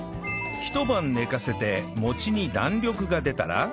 ひと晩寝かせて餅に弾力が出たら